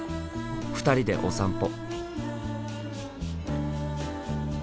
２人でお散歩。